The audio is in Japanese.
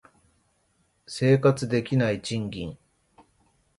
生活できない賃金